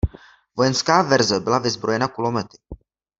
Vojenská verze byla vyzbrojena kulomety.